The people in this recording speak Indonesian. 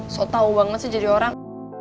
so tau banget sih jadi orang